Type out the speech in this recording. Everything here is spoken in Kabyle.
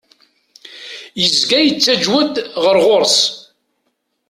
Yezga yettaǧew-d ɣer ɣur-s.